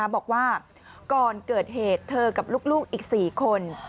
บอกว่าก่อนเกิดเหตุเธอกับลูกอีก๔คน